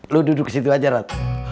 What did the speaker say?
lu duduk disitu aja rat